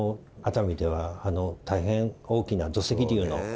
熱海では大変大きな土石流の。